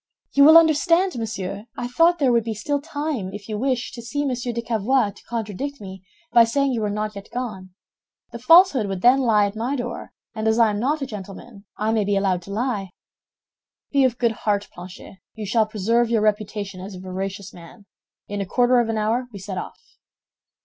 "You will understand, monsieur, I thought there would be still time, if you wish, to see Monsieur de Cavois to contradict me by saying you were not yet gone. The falsehood would then lie at my door, and as I am not a gentleman, I may be allowed to lie." "Be of good heart, Planchet, you shall preserve your reputation as a veracious man. In a quarter of an hour we set off."